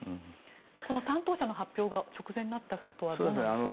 この担当者の発表が直前になったことはどうなんでしょう。